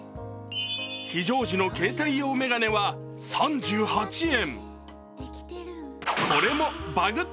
非常時の携帯用眼鏡は３８円。